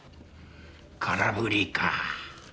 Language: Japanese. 空振りか。